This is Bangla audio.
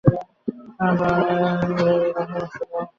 প্রাণায়াম-ক্রিয়াটি এইরূপে শারীরবিজ্ঞানের সাহায্যে ব্যাখ্যা করা যাইতে পারে।